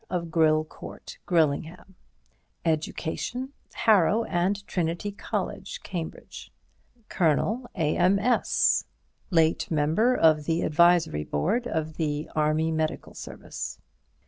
of Gryll Court, Gryllingham. Educ. Harrow and Trinity Coll. Cambridge; Col. A.M.S.; late Member of the Advisory Board of the Army Medical Service.